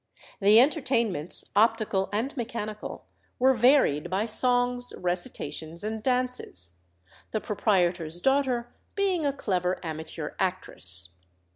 The entertainments (optical and mechanical) were varied by songs, recitations, and dances, the proprietor's daughter being a clever amateur actress.